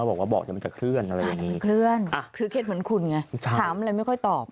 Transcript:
บอกว่าบอกจะมันจะเคลื่อนอะไรอย่างงี้คือเคล็ดเหมือนคุณไงถามอะไรไม่ค่อยตอบ